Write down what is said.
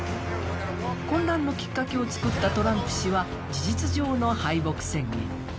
混乱のきっかけを作ったトランプ氏は事実上の敗北宣言。